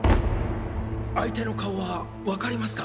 相手の顔はわかりますか？